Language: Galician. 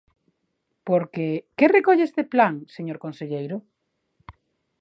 Porque ¿que recolle este plan, señor conselleiro?